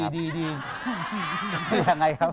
ดีว่าไงครับ